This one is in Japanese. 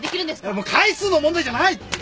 あっもう回数の問題じゃないって。